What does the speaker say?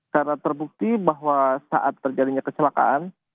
karena terbukti bahwa saat terjadinya kecelakaan